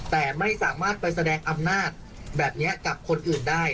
แต่ไม่สามารถไปแสดงอำนาจแบบนี้กับคนอื่นได้